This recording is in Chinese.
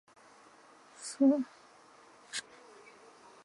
乘客的国籍如下所示。